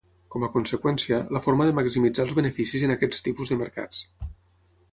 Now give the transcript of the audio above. Com a conseqüència, la forma de maximitzar els beneficis en aquests tipus de mercats.